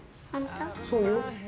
そうよ。